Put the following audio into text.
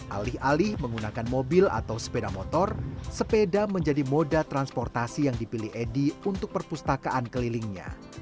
alih alih menggunakan mobil atau sepeda motor sepeda menjadi moda transportasi yang dipilih edy untuk perpustakaan kelilingnya